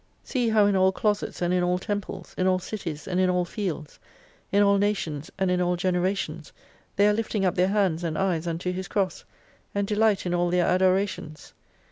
See how in all closets, and in all temples ; in all cities and in all fields ; in all nations and in all generations, they are lifting up their hands and eyes unto His cross ; and delight in all their adorations.